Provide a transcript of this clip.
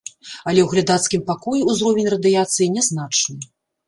Але ў глядацкім пакоі ўзровень радыяцыі нязначны.